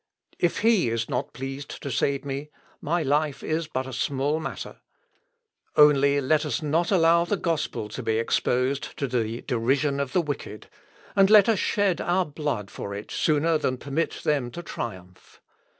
If He is not pleased to save me, my life is but a small matter; only let us not allow the gospel to be exposed to the derision of the wicked, and let us shed our blood for it sooner than permit them to triumph.